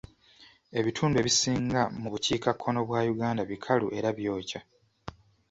Ebitundu ebisinga mu bukiikakkono bwa Uganda bikalu era byokya.